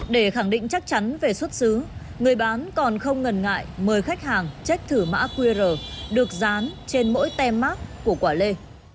để khẳng định chắc chắn về xuất xứ người bán còn không ngần ngại mời khách hàng trích thử mã qr được dán trên mỗi tem mát của quả lê